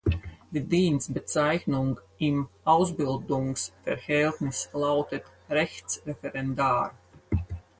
Die Dienstbezeichnung im Ausbildungsverhältnis lautet „Rechtsreferendar“.